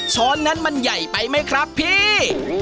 ช้อนนั้นมันใหญ่ไปไหมครับพี่